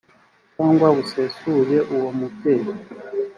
cyangwa busesuye uwo mubyeyi